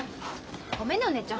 ごめんねお姉ちゃん。